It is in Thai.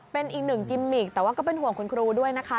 เป็นอีกหนึ่งกิมมิกแต่ว่าก็เป็นห่วงคุณครูด้วยนะคะ